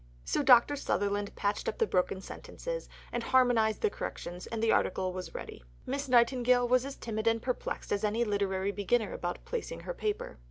So, Dr. Sutherland patched up the broken sentences and harmonized the corrections, and the article was ready. Miss Nightingale was as timid and perplexed as any literary beginner about placing her paper.